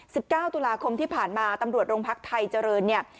สิบเก้าตุลาคมที่ผ่านมาตำรวจโรงพักไทยเจริญเนี่ย